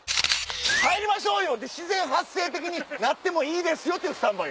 入りましょう！って自然発生的になってもいいよというスタンバイ。